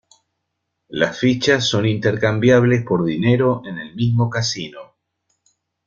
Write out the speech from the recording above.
Las fichas son intercambiables por dinero en el mismo casino.